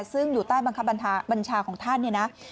ซึ่งอยู่ใต้บังคับบัญชาของท่านเนี่ยนะ